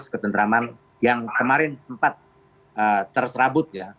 ketentraman yang kemarin sempat terserabut ya